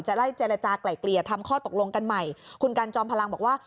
จะได้เจลจากไกล่เกรียดทำข้อตกลงกันใหม่คุณกัลจอมพลังบอกว่า